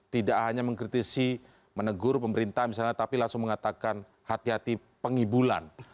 tidak hanya mengkritisi menegur pemerintah misalnya tapi langsung mengatakan hati hati pengibulan